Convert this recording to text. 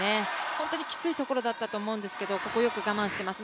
本当にきついところだったと思うんですけどよく我慢しています。